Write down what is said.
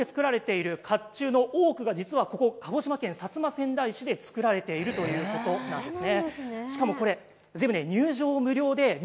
というのも日本で作られているかっちゅうの多くが実はここ鹿児島県薩摩川内市で作られているということなんですね。